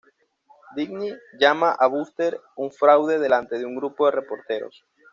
Dibny llama a Booster un fraude delante de un grupo de reporteros.